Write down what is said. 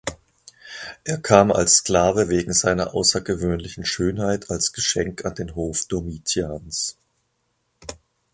Er kam als Sklave wegen seiner außergewöhnlichen Schönheit als Geschenk an den Hof Domitians.